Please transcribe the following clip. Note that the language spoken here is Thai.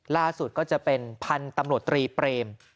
ล่าสุดก็จะเป็นพันธุ์ตำรวจตรีเปรม